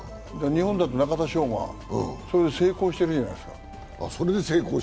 日本だと中田翔がそれで成功してるじゃないですか。